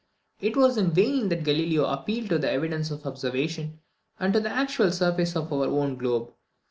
It was in vain that Galileo appealed to the evidence of observation, and to the actual surface of our own globe.